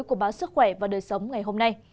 của báo sức khỏe và đời sống ngày hôm nay